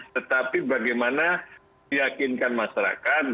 tetapi bagaimana meyakinkan masyarakat